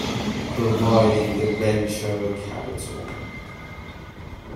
providing the venture capital.